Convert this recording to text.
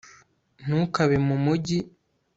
ntukave mu mujyi